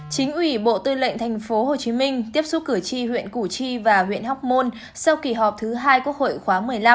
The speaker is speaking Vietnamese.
chính ủy bộ tư lệnh tp hcm tiếp xúc cử tri huyện củ chi và huyện hóc môn sau kỳ họp thứ hai quốc hội khóa một mươi năm